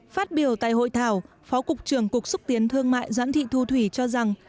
phát biểu tại hội thảo phó cục trưởng cục xúc tiến thương mại doãn thị thu thủy cho rằng